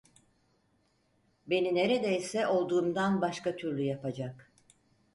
Beni neredeyse olduğumdan başka türlü yapacak!